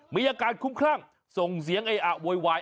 มีอาการคุ้มคลั่งส่งเสียงเออะโวยวาย